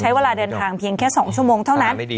ใช้เวลาเดินทางเพียงแค่๒ชั่วโมงเท่านั้น